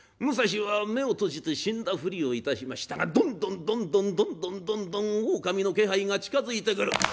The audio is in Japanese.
武蔵は目を閉じて死んだふりをいたしましたがどんどんどんどんどんどんどんどん狼の気配が近づいてくる。